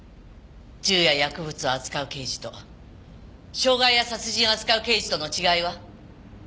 銃や薬物を扱う刑事と傷害や殺人を扱う刑事との違いは？